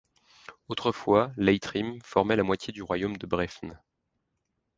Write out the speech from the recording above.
Autrefois, Leitrim formait la moitié du royaume de Breifne.